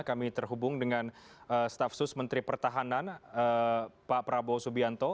kami terhubung dengan staf sus menteri pertahanan pak prabowo subianto